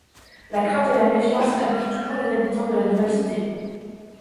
La crainte et la méfiance habitent toujours les habitants de la nouvelle cité.